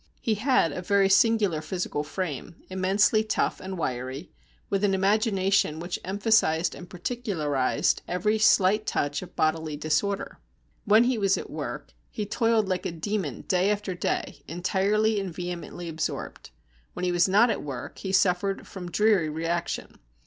He had a very singular physical frame, immensely tough and wiry, with an imagination which emphasized and particularised every slight touch of bodily disorder. When he was at work, he toiled like a demon day after day, entirely and vehemently absorbed. When he was not at work he suffered from dreary reaction.